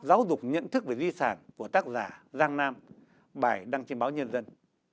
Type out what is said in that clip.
giáo dục nhận thức về di sản của tác giả giang nam bài đăng trên báo nhân dân